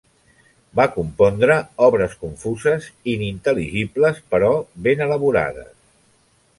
Va compondre obres confuses, inintel·ligibles, però ben elaborades.